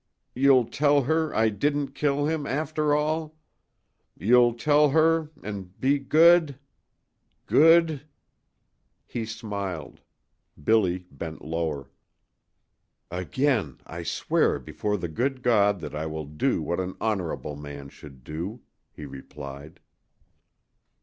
You'll tell her I didn't kill him after all. You'll tell her an' be good good " He smiled. Billy bent lower. "Again I swear before the good God that I will do what an honorable man should do," he replied.